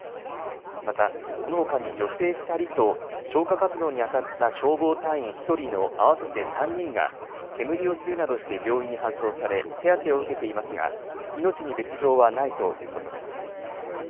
またこのほかに女性２人と消火活動に当たった消防隊員１人の合わせて３人が、煙を吸うなどして病院に搬送され、手当てを受けていますが、命に別状はないということです。